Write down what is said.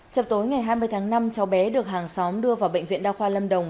chật tối ngày hai mươi tháng năm cháu bé được hàng xóm đưa vào bệnh viện đa khoa lâm đồng